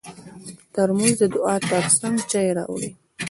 ترموز د دعا تر څنګ چای راوړي.